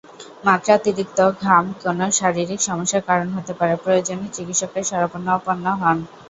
—মাত্রাতিরিক্ত ঘাম কোনো শারীরিক সমস্যার কারণে হতে পারে, প্রয়োজনে চিকিৎসকের শরণাপন্ন হোন।